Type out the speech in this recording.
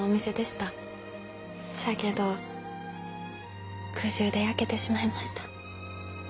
しゃあけど空襲で焼けてしまいました。